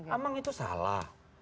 amang itu salah